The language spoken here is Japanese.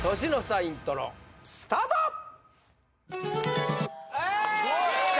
イントロスタートきた！